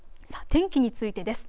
天気についてです。